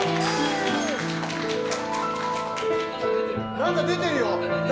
なんか出てるよ。